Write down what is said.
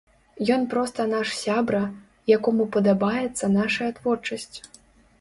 Ён проста наш сябра, якому падабаецца нашая творчасць.